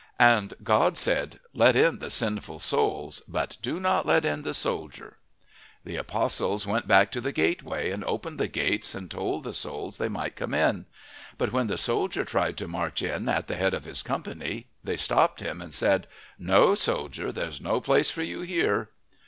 And God said: "Let in the sinful souls, but do not let in the soldier." The apostles went back to the gateway, and opened the gates and told the souls they might come in. But when the soldier tried to march in at the head of his company they stopped him, and said: "No, soldier! There's no place for you here."